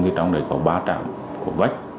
thì trong đấy có ba trạm của vách